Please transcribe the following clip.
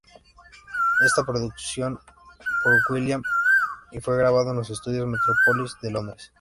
Está producido por will.i.am y fue grabado en los estudios "Metropolis" de Londres.